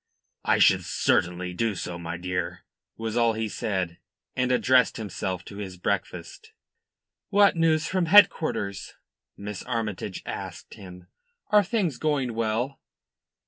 "I should certainly do so, my dear," was all he said, and addressed himself to his breakfast. "What news from headquarters?" Miss Armytage asked him. "Are things going well?"